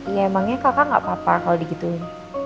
ya emangnya kakak nggak apa apa kalau di gituin